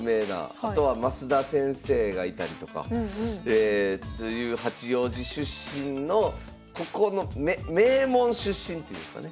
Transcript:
あとは増田先生がいたりとか。という八王子出身のここの名門出身っていうんですかね。